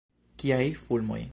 Kiaj fulmoj!